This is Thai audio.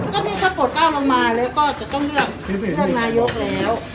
ตอนนี้จะปวดก้าวลงมาแล้วก็จะต้องเลือกนายกแล้ว